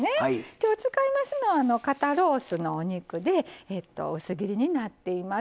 今日使いますのは肩ロースのお肉で薄切りになっています。